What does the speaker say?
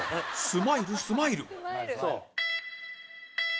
スマイルスマイル！